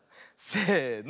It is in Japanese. せの。